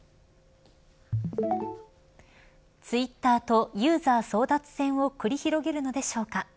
ツイッターとユーザー争奪戦を繰り広げるのでしょうか。